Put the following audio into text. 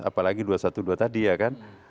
apalagi dua ratus dua belas tadi ya kan